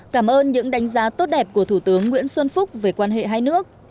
cảm ơn những đánh giá tốt đẹp của thủ tướng nguyễn xuân phúc về quan hệ hai nước